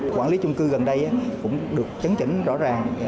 quản lý chung cư gần đây cũng được chấn chỉnh rõ ràng